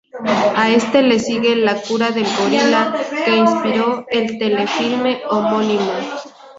A esta le sigue "La cura del gorila" que inspiró el tele-filme homónimo.